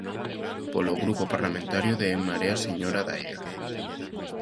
Polo Grupo Parlamentario de En Marea, señora Daira.